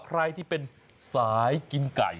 ใครที่เป็นสายกินไก่